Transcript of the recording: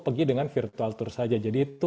pergi dengan virtual tour saja jadi itu